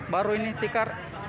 baru ini tikar